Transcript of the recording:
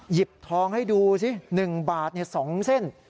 หยิบทองให้ดูสิ๑บาท๒เส้น